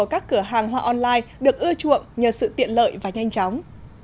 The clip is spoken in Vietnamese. các cửa hàng hoa online được ưa chuộng nhờ sự tiện lợi và nhanh chóng